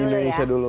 di indonesia dulu